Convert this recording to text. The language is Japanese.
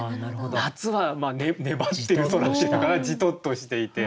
夏はねばってる空っていうかじとっとしていて。